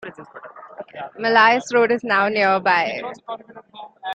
Millais Road is now nearby.